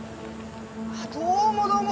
どうもどうも。